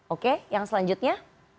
oke yang selanjutnya